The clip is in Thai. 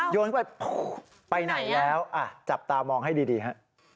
โยนเข้าไปไปไหนแล้วจับตามองให้ดีฮะ